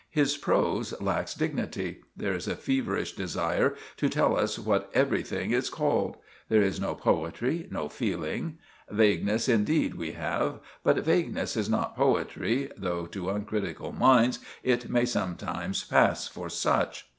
His prose lacks dignity; there is a feverish desire to tell us what everything is called. There is no poetry, no feeling. Vagueness, indeed, we have, but vagueness is not poetry, though to uncritical minds it may sometimes pass for such.